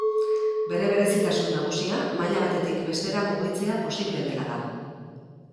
Bere berezitasun nagusia maila batetik bestera mugitzea posible dela da.